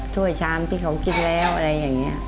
ช่วยชามที่เขากินแล้วอะไรอย่างนี้